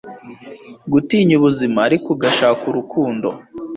gutinya ubuzima ariko ugashaka urukundo